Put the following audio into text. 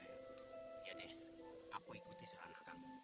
iya deh aku ikuti secara nakal